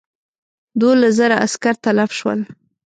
دوولس زره عسکر تلف شول.